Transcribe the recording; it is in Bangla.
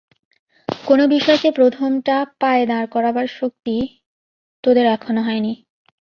কোন বিষয়কে প্রথমটা পায়ে দাঁড় করাবার শক্তি তোদের এখনও হয়নি।